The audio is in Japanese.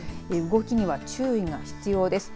動きには注意が必要です。